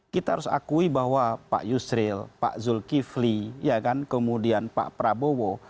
kita harus akui bahwa pak yusril pak zulkifli kemudian pak prabowo